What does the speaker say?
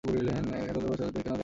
লড়াই করবার শক্তি কেন দেন নি মেয়েদের?